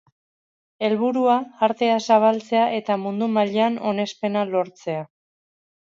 Helburua, artea zabaltzea eta mundu mailan onespena lortzea.